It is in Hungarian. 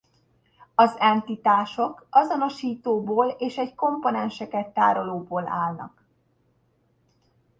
Az entitások azonosítóból és egy komponenseket tárolóból állnak.